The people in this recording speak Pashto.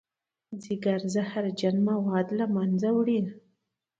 ځیګر زهرجن مواد له منځه وړي